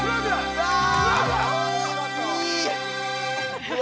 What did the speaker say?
◆うわあ。